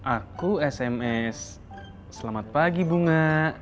aku sms selamat pagi bunga